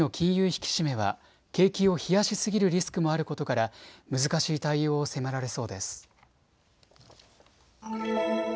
引き締めは景気を冷やしすぎるリスクもあることから難しい対応を迫られそうです。